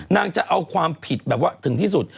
จะเอาความผิดแบบว่าถึงที่สุด